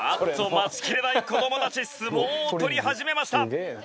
待ちきれない子どもたち相撲を取り始めました。